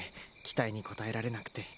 期待に応えられなくて。